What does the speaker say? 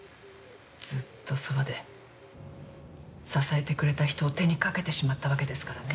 ずっとそばで支えてくれた人を手に掛けてしまったわけですからね。